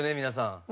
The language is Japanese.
皆さん。